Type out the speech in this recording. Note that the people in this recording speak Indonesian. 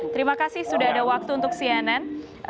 terima kasih sudah ada waktu untuk cnn